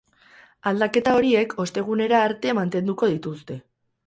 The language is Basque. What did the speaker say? Aldaketa horiek ostegunera arte mantenduko dituzte.